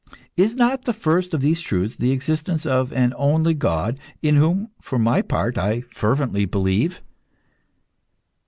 Is not the first of these truths the existence of an only God in whom, for my part, I fervently believe?"